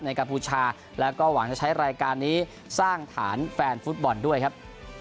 กัมพูชาแล้วก็หวังจะใช้รายการนี้สร้างฐานแฟนฟุตบอลด้วยครับ